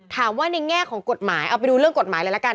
ในแง่ของกฎหมายเอาไปดูเรื่องกฎหมายเลยละกัน